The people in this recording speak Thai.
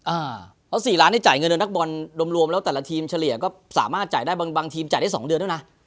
เพราะสี่ล้านได้จ่ายเงินโดยนักบอลรวมแล้วแต่ละทีมเฉลี่ยก็สามารถจ่ายได้บางบางทีมจ่ายได้สองเดือนด้วยนะ